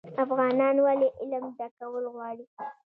افغانان ولې علم زده کول غواړي؟